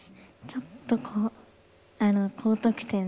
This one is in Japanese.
ちょっとこう。